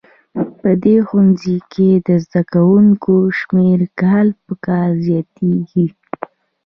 په دې ښوونځي کې د زده کوونکو شمېر کال په کال زیاتیږي